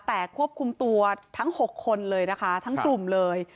แต่ควบคุมตัวทั้ง๖คนเลยนะคะทั้งกลุ่มเลย